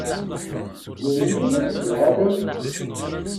Melmi ad d-tuɣalem?